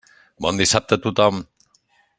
Bon dissabte a tothom.